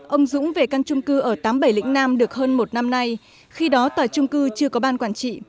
ông dũng về căn trung cư ở tám mươi bảy lĩnh nam được hơn một năm nay khi đó tòa trung cư chưa có ban quản trị